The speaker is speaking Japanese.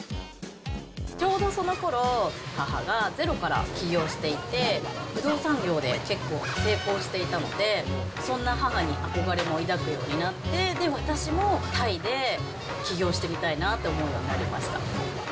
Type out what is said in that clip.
ちょうどそのころ、母がゼロから起業していて、不動産業で、結構、成功していたので、そんな母に憧れも抱くようになって、で、私もタイで起業してみたいなと思うようになりました。